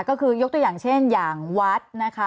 ก็คือยกตัวอย่างเช่นอย่างวัดนะคะ